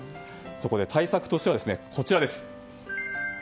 そこで、対策としてはこちら。